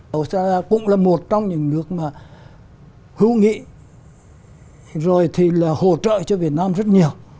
osa cũng là một trong những nước mà hữu nghị rồi thì là hỗ trợ cho việt nam rất nhiều